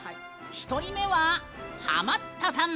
１人目はハマったさん。